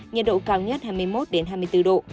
nhiệt độ cao nhất hai mươi một hai mươi bốn độ